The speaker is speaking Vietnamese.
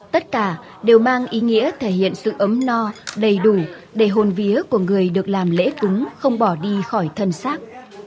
tất cả đều mang ý nghĩa thể hiện sự ấm no đầy đủ để hôn vía của người được làm lễ cúng không bỏ đi khỏi thân xác